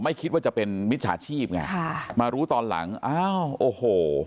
ไม่คิดว่าจะเป็นมิจฉาชีพไงค่ะมารู้ตอนหลังอ้าวโอ้โห